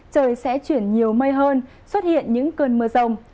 trời sẽ chuyển nhiều mây hơn xuất hiện những cơn mưa rồng